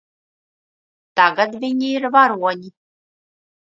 Tagad viņi ir varoņi.